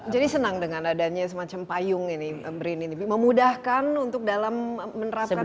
jadi senang dengan adanya semacam payung ini brin ini memudahkan untuk dalam menerapkan cita cita